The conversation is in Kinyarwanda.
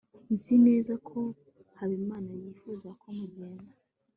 nzi neza ko habimana yifuza ko mugenda